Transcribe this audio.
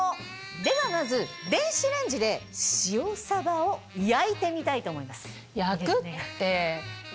ではまず電子レンジで塩サバを焼いてみたいと思います。